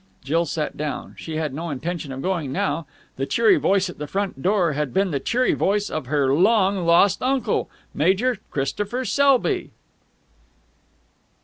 Jill sat down. She had no intention of going now. The cheery voice at the front door had been the cheery voice of her long lost uncle, Major Christopher Selby.